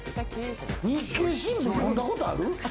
日経新聞読んだことある？